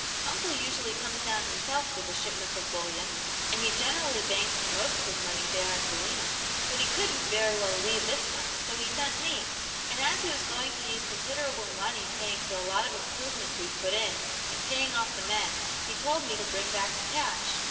"Uncle usually comes down himself with the shipments of bullion, and he generally banks the most of his money there at Galena, but he couldn't very well leave this time, so he sent me, and as he was going to use considerable money paying for a lot of improvements we've put in and paying off the men, he told me to bring back the cash.